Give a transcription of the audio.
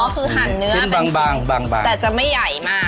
คือหั่นเนื้อเป็นชิ้นชิ้นบางบางแต่จะไม่ใหญ่มาก